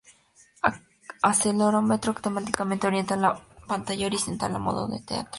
Acelerómetro automáticamente orienta la pantalla en horizontal o modo retrato.